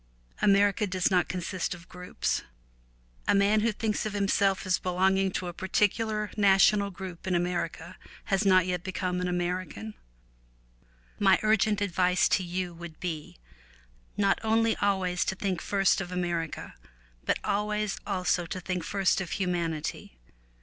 America does not consist of groups. A man who thinks of himself as belonging to a particular national group in America has not yet become an American. My urgent advice to you would be not only always to think first of America, but always also to think first of humanity.